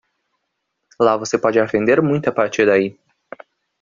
Lá você pode aprender muito a partir daí.